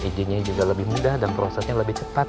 izinnya juga lebih mudah dan prosesnya lebih cepat